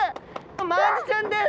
マアジちゃんです。